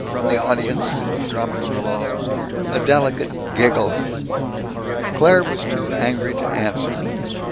From the audience of drummers below, a delicate giggle. Claire was too angry to answer.